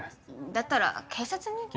だったら警察に行ったら？